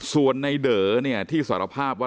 ส่วนในเด๋อที่สารภาพว่า